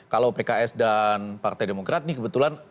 kalau pks dan partai demokrat ini kebetulan